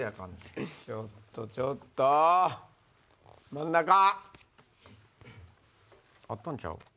ちょっとちょっと！真ん中！あったんちゃう？